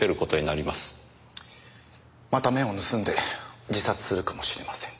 また目を盗んで自殺するかもしれません。